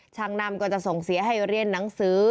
ช่างนำก็จะส่งเสียให้เรียนหนังสือ